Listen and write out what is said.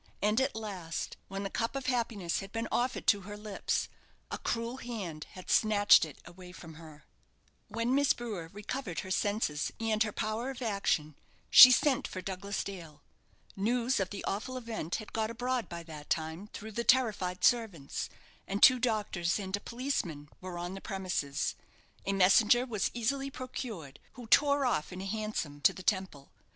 And at last, when the cup of happiness had been offered to her lips, a cruel hand had snatched it away from her. When Miss Brewer recovered her senses and her power of action, she sent for Douglas Dale. News of the awful event had got abroad by that time, through the terrified servants; and two doctors and a policeman were on the premises. A messenger was easily procured, who tore off in a hansom to the Temple.